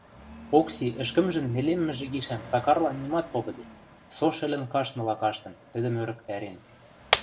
Окси ӹшкӹмжӹн нелеммӹжӹ гишӓн Сакарлан нимат попыде, со шӹлӹн каштмыла каштын, тӹдӹм ӧрӹктӓрен.